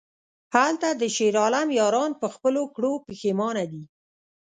هلته د شیرعالم یاران په خپلو کړو پښیمانه دي...